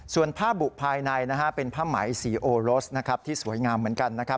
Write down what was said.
ส่วนผ้าบุภายในเป็นผ้าหมายสีโอโรสที่สวยงามเหมือนกัน